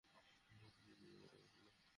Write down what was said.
আমার ভাই না?